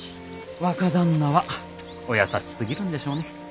若旦那はお優しすぎるんでしょうね。